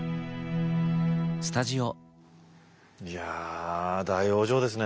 いや大往生ですね。